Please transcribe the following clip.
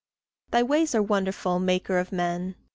Thy ways are wonderful, maker of men!